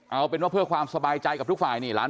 เอาเป็นว่าเพื่อความสบายใจกับทุกฝ่ายนี่หลาน